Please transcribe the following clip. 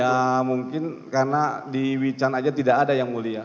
ya mungkin karena di wecan aja tidak ada yang mulia